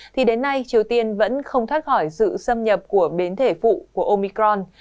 thì đến nay triều tiên vẫn không thoát khỏi sự xâm nhập của biến thể phụ của omicron